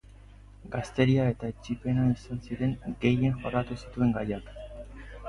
Gazteria eta etsipena izan ziren gehien jorratu zituen gaiak.